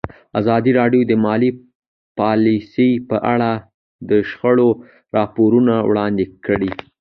ازادي راډیو د مالي پالیسي په اړه د شخړو راپورونه وړاندې کړي.